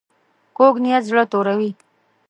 کوږ نیت زړه توروي